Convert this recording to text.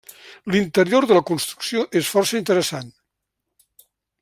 L'interior de la construcció és força interessant.